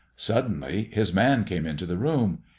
Suddenly his man came into the room.